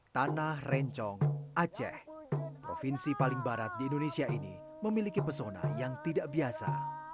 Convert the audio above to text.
tanah rencong aceh provinsi paling barat di indonesia ini memiliki pesona yang tidak biasa